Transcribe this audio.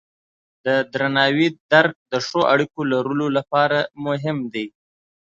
د درناوي درک د ښو اړیکو لرلو لپاره مهم دی.